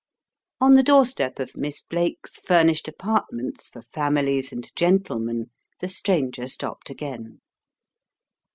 On the door step of Miss Blake's Furnished Apartments for Families and Gentlemen, the stranger stopped again.